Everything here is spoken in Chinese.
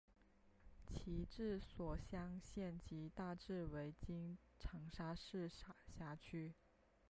其治所湘县即大致为今长沙市辖区。